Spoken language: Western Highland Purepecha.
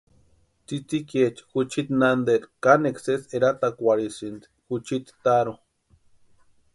Tsïtsïkiecha juchiti nanteri kanekwa sésï eraatakwarhisïnti juchiti taarhu.